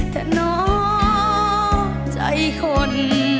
แต่หนอใจคน